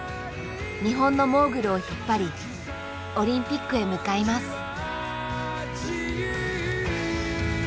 日本のモーグルを引っ張りオリンピックへ向かいます。